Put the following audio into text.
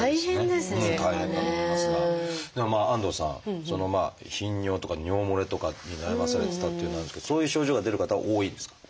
でもまあ安藤さん頻尿とか尿もれとかに悩まされてたっていうのがあるんですけどそういう症状が出る方は多いんですか？